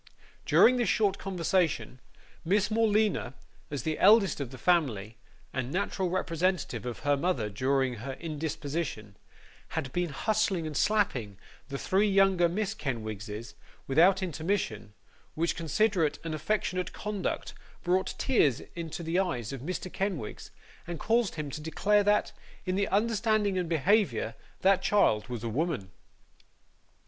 During this short conversation, Miss Morleena, as the eldest of the family, and natural representative of her mother during her indisposition, had been hustling and slapping the three younger Miss Kenwigses, without intermission; which considerate and affectionate conduct brought tears into the eyes of Mr. Kenwigs, and caused him to declare that, in understanding and behaviour, that child was a woman.